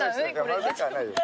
まずくはないです。